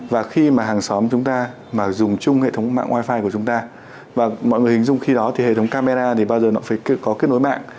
và khi mà hàng xóm chúng ta mà dùng chung hệ thống mạng wifi của chúng ta và mọi người hình dung khi đó thì hệ thống camera thì bao giờ nó phải có kết nối mạng